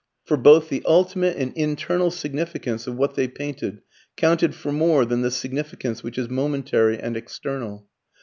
For both the ultimate and internal significance of what they painted counted for more than the significance which is momentary and external.